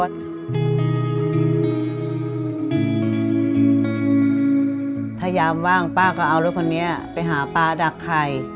พยายามว่างป้าก็เอารถคนนี้ไปหาปลาดักไข่